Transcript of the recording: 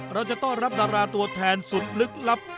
เราจะต้อนรับดาราตัวแทนสุดลึกลับ